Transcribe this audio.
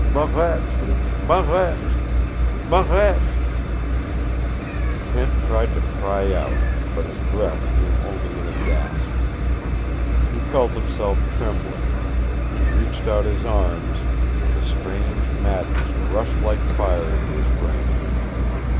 "Marette Marette Marette " Kent tried to cry out, but his breath came only in a gasp. He felt himself trembling. He reached out his arms, and a strange madness rushed like fire into his brain.